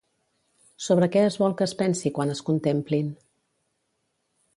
Sobre què es vol que es pensi quan es contemplin?